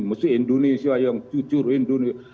mesti indonesia yang jujur indonesia